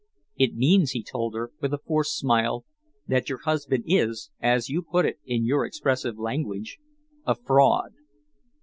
"It means," he told her, with a forced smile, "that your husband is, as you put it in your expressive language, a fraud."